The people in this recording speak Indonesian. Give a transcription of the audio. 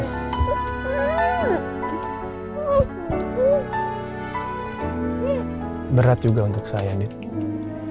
ini berat juga untuk saya diturunkan dengan kamu